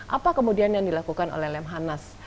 apa kemudian yang dilakukan oleh lemhanas